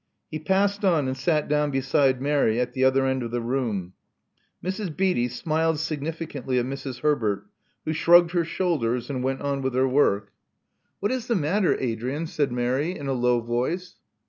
He passed on and sat down beside Mary at the other end of the room. Mrs. Beatty smiled significantly at Mrs. Herbert, who shrugged her shoulders and went on with her work. Love Among the Artists 43 What is the matter, Adrian?" said Mary, in a low voice.